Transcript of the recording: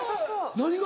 何が？